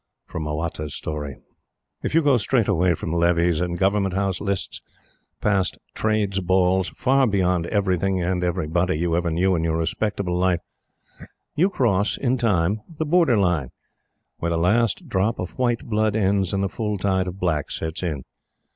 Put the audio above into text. Oatta's Story. If you go straight away from Levees and Government House Lists, past Trades' Balls far beyond everything and everybody you ever knew in your respectable life you cross, in time, the Border line where the last drop of White blood ends and the full tide of Black sets in.